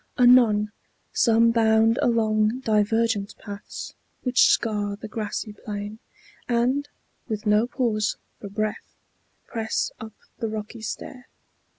Anon, some bound along divergent paths Which scar the grassy plain, and, with no pause For breath, press up the rocky stair.